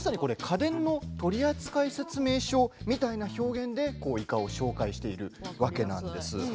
家電の取扱説明書みたいな表現でイカを説明しているんですね。